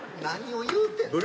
何を言うて。